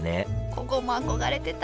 ここも憧れてた！